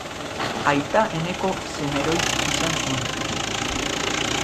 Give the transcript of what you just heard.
Aita Eneko Semeroitz izan zuen.